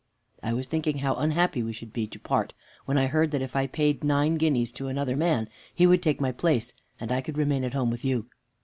I was thinking how unhappy we should be to part, when I heard that if I paid nine guineas to another man, he would take my place, and I could remain at home with you.